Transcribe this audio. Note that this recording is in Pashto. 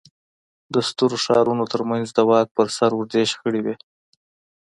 د سترو ښارونو ترمنځ د واک پر سر اوږدې شخړې وې